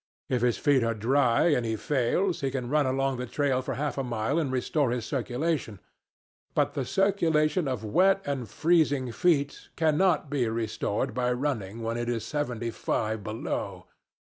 If his feet are dry, and he fails, he can run along the trail for half a mile and restore his circulation. But the circulation of wet and freezing feet cannot be restored by running when it is seventy five below.